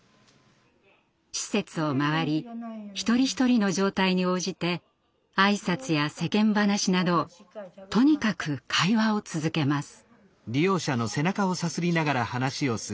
施設を回り一人一人の状態に応じて挨拶や世間話などとにかく会話を続けます。